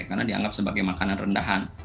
karena dianggap sebagai makanan rendahan